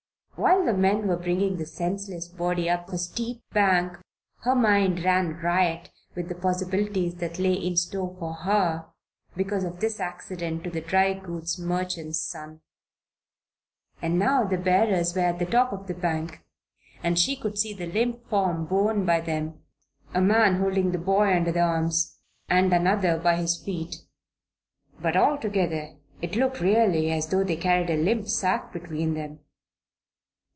While the men were bringing the senseless body up the steep bank her mind ran riot with the possibilities that lay in store for her because of this accident to the dry goods merchant's son. And now the bearers were at the top of the bank, and she could see the limp form borne by them a man holding the body under the arms and another by his feet. But, altogether, it looked really as though they carried a limp sack between them.